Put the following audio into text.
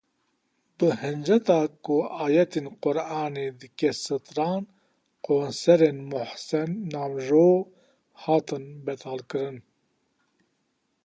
Bi hinceta ku “ayetên Quranê dike stran” konserên Mohsen Namjoo hatin betalkirin.